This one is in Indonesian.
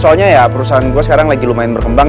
soalnya ya perusahaan gue sekarang lagi lumayan berkembang